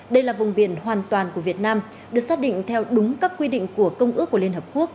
đây là vùng biển hoàn toàn của việt nam được xác định theo đúng các quy định của công ước của liên hợp quốc